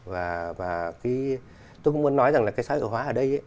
và tôi cũng muốn nói rằng là cái xã hội hóa ở đây ấy